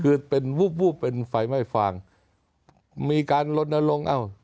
คือเป็นวูบวูบเป็นไฟไหม้ฟางมีการลนลงเอ้า